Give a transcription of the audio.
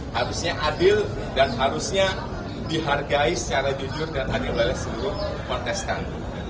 harusnya adil dan harusnya dihargai secara jujur dan adil oleh seluruh kontestan